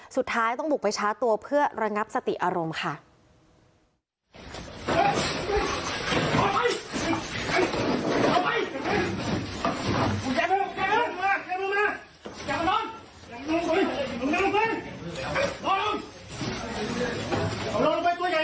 สุดท้ายต้องบุกไปชาร์จตัวเพื่อระงับสติอารมณ์ค่ะ